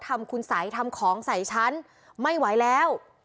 ทำคุณสัยทำของใส่ฉันไม่ไหวแล้ว